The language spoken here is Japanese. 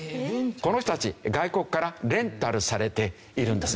この人たち外国からレンタルされているんですね。